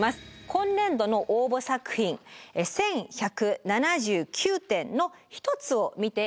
今年度の応募作品１，１７９点の１つを見て頂きます。